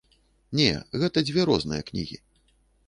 Не, гэта дзве розныя кнігі.